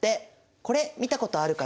これ見たことあるかな？